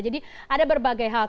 jadi ada berbagai hal